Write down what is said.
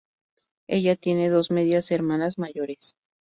Ella tiene dos medias hermanas mayores.